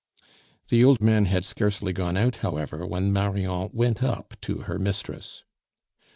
The old man had scarcely gone out, however, when Marion went up to her mistress.